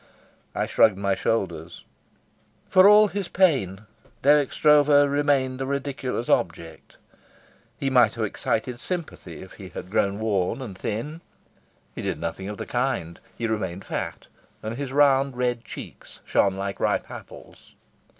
I shrugged my shoulders. For all his pain, Dirk Stroeve remained a ridiculous object. He might have excited sympathy if he had grown worn and thin. He did nothing of the kind. He remained fat, and his round, red cheeks shone like ripe apples.